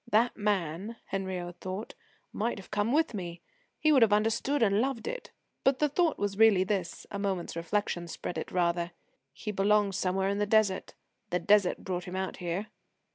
"That man," Henriot thought, "might have come with me. He would have understood and loved it!" But the thought was really this a moment's reflection spread it, rather: "He belongs somewhere to the Desert; the Desert brought him out here."